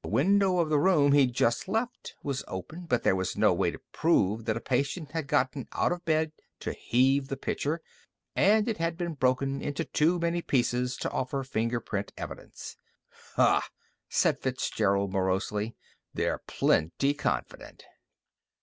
The window of the room he'd just left was open, but there was no way to prove that a patient had gotten out of bed to heave the pitcher. And it had broken into too many pieces to offer fingerprint evidence. "Hah!" said Fitzgerald morosely. "They're plenty confident!"